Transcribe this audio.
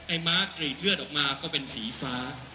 ม้ากรีดเลือดออกมาก็เป็นสีฟ้า